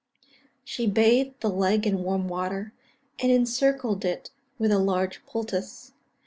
She bathed the leg in warm water, and encircled it with a large poultice.